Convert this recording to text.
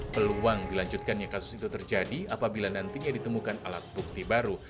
peluang dilanjutkannya kasus itu terjadi apabila nantinya ditemukan alat bukti baru